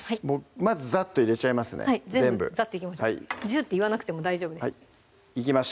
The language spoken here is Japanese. まずざっと入れちゃいますね全部ざっといきましょうジュッていわなくても大丈夫ですいきました